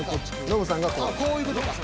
ノブさんがこう。